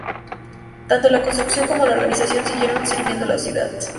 Tanto la construcción como la organización siguieron sirviendo a la ciudad.